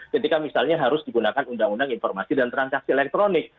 ketika misalnya harus digunakan undang undang informasi dan transaksi elektronik